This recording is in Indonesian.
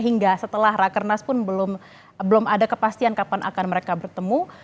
hingga setelah rakernas pun belum ada kepastian kapan akan mereka bertemu